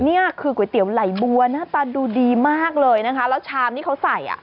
นี่คือก๋วยเตี๋ยวไหล่บัวหน้าตาดูดีมากเลยนะคะแล้วชามที่เขาใส่อ่ะ